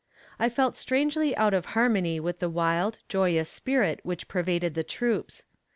I felt strangely out of harmony with the wild, joyous spirit which pervaded the troops.